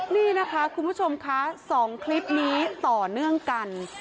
นี่นะคะคุณผู้ชมคะ๒คลิปนี้ต่อเนื่องกัน